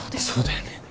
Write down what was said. そうだよね